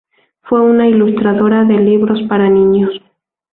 Fue una ilustradora de libros para niños.